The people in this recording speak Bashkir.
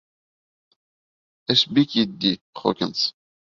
Эш бик етди, Хокинс.